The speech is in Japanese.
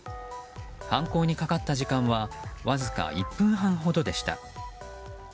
犯行にかかった時間はわずか１分半ほどでした。